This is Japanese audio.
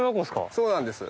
そうなんです。